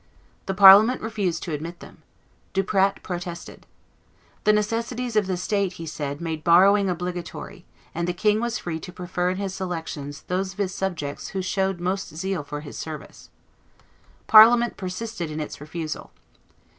The Parliament refused to admit them. Duprat protested. The necessities of the state, he said, made borrowing obligatory; and the king was free to prefer in his selections those of his subjects who showed most zeal for his service. Parliament persisted in its refusal.